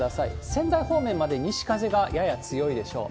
仙台方面まで西風がやや強いでしょう。